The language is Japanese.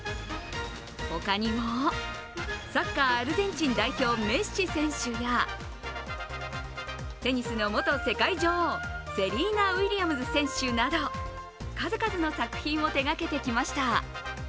他にも、サッカー・アルゼンチン代表メッシ選手やテニスの元世界女王セリーナ・ウィリアムズ選手など数々の作品を手がけてきました。